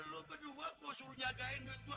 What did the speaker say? lu kedua gua suruh jagain duit gua